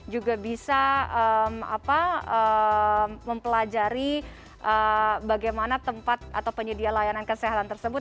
juga bisa mempelajari bagaimana tempat atau penyedia layanan kesehatan tersebut